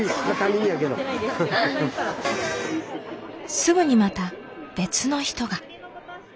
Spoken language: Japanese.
すぐにまた別の人が。